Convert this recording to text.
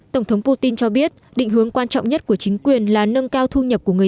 tổng thống putin cho biết định hướng quan trọng nhất của chính quyền là nâng cao thu nhập của người